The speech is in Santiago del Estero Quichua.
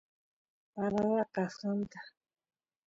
parara kaskanta